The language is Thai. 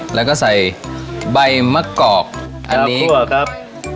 แล้วก็ใส่ใบมะกอกอันนี้คั่วครับ